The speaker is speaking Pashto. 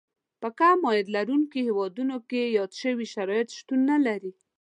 په کم عاید لرونکو هېوادونو کې یاد شوي شرایط شتون نه لري.